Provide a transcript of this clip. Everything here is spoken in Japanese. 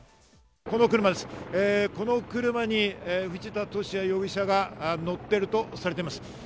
この車に藤田聖也容疑者が乗っているとされています。